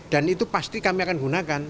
dan itu pasti kami akan gunakan